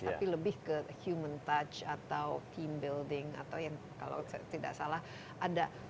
tapi lebih ke human touch atau kim building atau yang kalau tidak salah ada